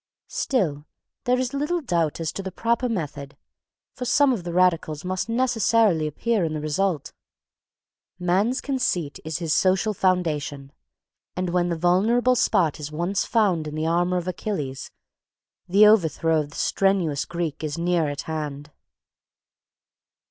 Still, there is little doubt as to the proper method, for some of the radicals must necessarily appear in the result. Man's conceit is his social foundation and when the vulnerable spot is once found in the armour of Achilles, the overthrow of the strenuous Greek is near at hand.